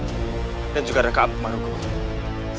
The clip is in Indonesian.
tolong bantu ayah handa untuk menolong bunda kalian